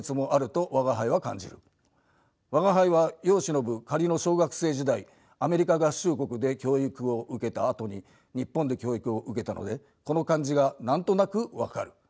吾輩は世を忍ぶ仮の小学生時代アメリカ合衆国で教育を受けたあとに日本で教育を受けたのでこの感じが何となく分かる。